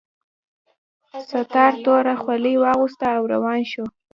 ستار توره خولۍ واغوسته او روان شو